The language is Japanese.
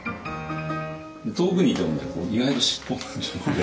遠くにいてもね意外と尻尾が邪魔で。